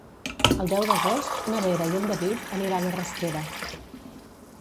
El deu d'agost na Vera i en David aniran a Rasquera.